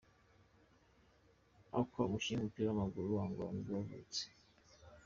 Akwá, umukinnyi w’umupira w’umunya-Angola nibwo yavutse.